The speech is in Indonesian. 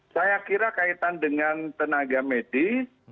saya kira kaitan dengan tenaga medis